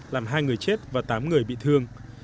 làm hai người chết và tám người bị thương